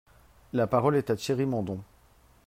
La parole est à Monsieur Thierry Mandon.